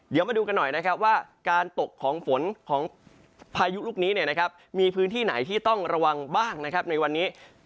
เดี๋ยวมาดูกันหน่อยนะครับว่าการตกของฝนของพายุลูกนี้มีพื้นที่ไหนที่ต้องระวังบ้างนะครับในวันนี้